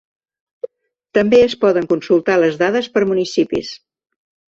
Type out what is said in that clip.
També es poden consultar les dades per municipis.